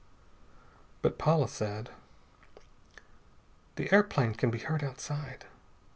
But Paula said: "The airplane can be heard outside.